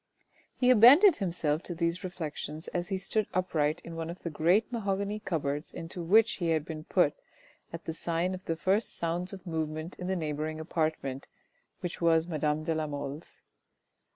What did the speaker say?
He abandoned himself to these reflections as he stood upright in one of the great mahogany cupboards into which he had been put at the sign of the first sounds of movement in the neighbouring apartment, which was madame de la Mole's.